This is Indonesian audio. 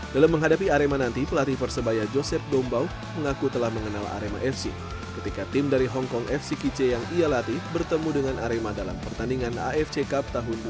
dalam menghadapi arema nanti pelatih persebaya joseph dombau mengaku telah mengenal arema fc ketika tim dari hongkong fc kice yang ia latih bertemu dengan arema dalam pertandingan afc cup tahun dua ribu dua puluh